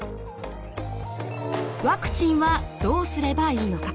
ワクチンはどうすればいいのか？